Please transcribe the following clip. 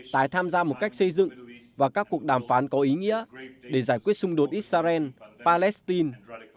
tái tham gia một cách xây dựng và các cuộc đàm phán có ý nghĩa để giải quyết xung đột israel palestine